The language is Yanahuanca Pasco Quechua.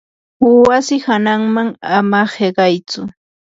wasi hananman ama hiqaytsu.